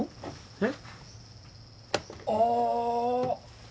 えっ？